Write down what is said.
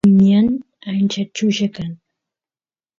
ñan ancha chulla kan